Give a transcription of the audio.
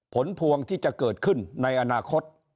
ผลพวงที่จะเกิดขึ้นในอนาคต